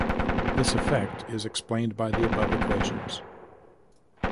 This effect is explained by the above equations.